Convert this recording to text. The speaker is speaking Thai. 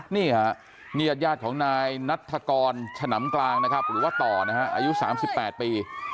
นี่อาดยาตุของนายนัทกรฉนำกลางหรือว่าต่ออายุ๓๘ปี